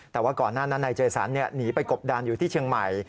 แต่ว่าก่อนหน้านั้นนายเจสันหนีไปกบดานอยู่ที่เชียงใหม่